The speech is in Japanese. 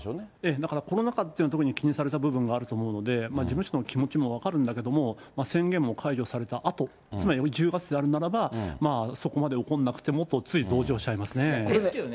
だから、コロナ禍っていうのは、気にされた部分があると思うので、事務所の気持ちも分かるんだけれども、宣言も解除されたあと、つまり１０月であるならば、そこまで怒らなくてもと、つい同情しちゃいますよね。